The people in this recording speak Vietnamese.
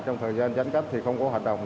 trong thời gian giánh cách thì không có hoạt động